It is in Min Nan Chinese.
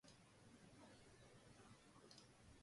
輸贏